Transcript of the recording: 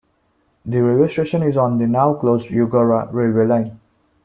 The railway station is on the now closed Eugowra railway line.